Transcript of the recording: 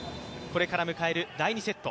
これから迎える第２セット。